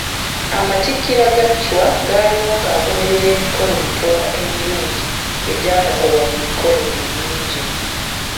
Amatikkirwa ga Chwa gaaliwo ng'agoberera emikolo mitono emirungi egyanokolwa mu mikolo emingi.